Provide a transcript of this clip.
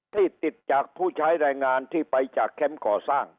ที่ติดจากผู้ใช้แรงงานที่ไปจากแคมป์ก่อสร้าง